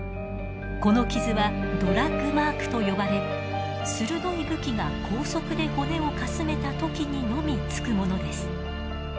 この傷はドラッグマークと呼ばれ鋭い武器が高速で骨をかすめた時にのみつくものです。